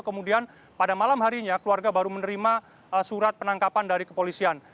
kemudian pada malam harinya keluarga baru menerima surat penangkapan dari kepolisian